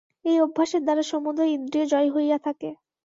এই অভ্যাসের দ্বারা সমুদয় ইন্দ্রিয় জয় হইয়া থাকে।